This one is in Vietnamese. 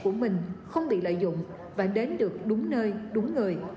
của mình không bị lợi dụng và đến được đúng nơi đúng người